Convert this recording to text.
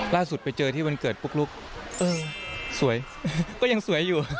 ล่าสุดไปเจอที่วันเกิดปุ๊กลุ๊กเออสวยก็ยังสวยอยู่